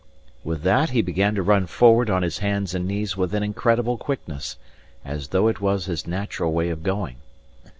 With that he began to run forward on his hands and knees with an incredible quickness, as though it were his natural way of going.